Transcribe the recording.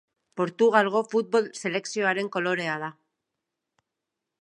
Portugalgo futbol selekzioaren kolorea da.